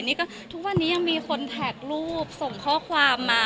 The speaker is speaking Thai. นี่ก็ทุกวันนี้ยังมีคนแท็กรูปส่งข้อความมา